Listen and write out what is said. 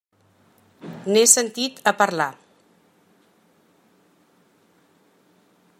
N'he sentit a parlar.